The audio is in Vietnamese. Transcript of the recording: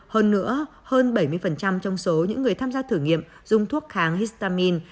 hơn nữa hơn bảy mươi trong số những người tham gia thử nghiệm dùng thuốc kháng histamin